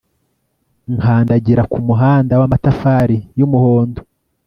nkandagira kumuhanda wamatafari yumuhondo